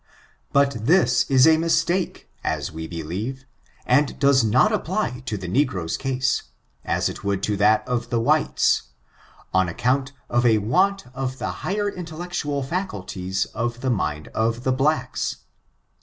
But this is a mistake, as we believe, and does not apply to the negro's case, as it would to that of the whites, on account of a want of the higher intel lectual faculties of the mind of the blacks.